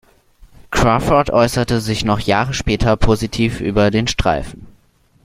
Crawford äußerte sich noch Jahre später positiv über den Streifen.